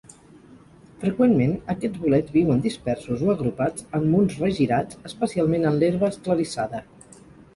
Freqüentment, aquests bolets viuen dispersos o agrupats en munts regirats, especialment en l'herba esclarissada.